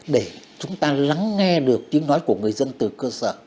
để chúng ta lắng nghe được tiếng nói của người dân từ cơ sở